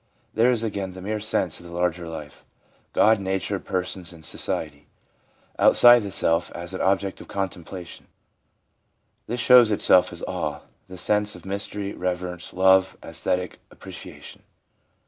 There is again the mere sense of the larger life — God, Nature, persons and society — outside the self as an object of contemplation. This shows itself as awe, the sense of mystery, reverence, love, and aesthetic apprecia tion.